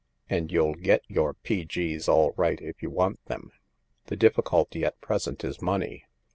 And you'll get your P.G.'s all right if you want them. The difficulty at present is money.